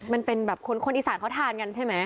มันเป็นแบบคนอีสานเขาทานกันใช่ไหม